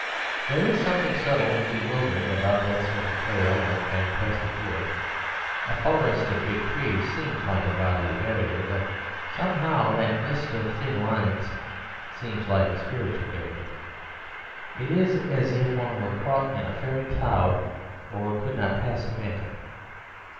There is something subtle and bewildering about that sort of frail and fantastic wood. A forest of big trees seems like a bodily barrier; but somehow that mist of thin lines seems like a spiritual barrier. It is as if one were caught in a fairy cloud or could not pass a phantom.